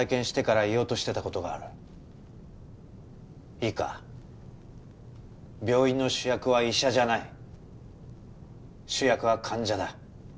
いいか病院の主役は医者じゃない主役は患者だ。